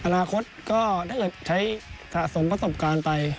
อนาคตก็ถ้าเกิดใช้สะสมประสบการณ์ไป